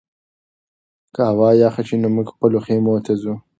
که هوا یخه شي نو موږ خپلو خیمو ته ځو.